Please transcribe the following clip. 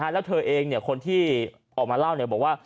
แล้วเธอเองคนที่ออกมาเล่าบอกว่า